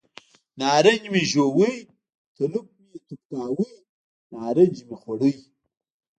نارنج مې وژبه، تلوف مې یې توف کاوه، نارنج مې خوړ.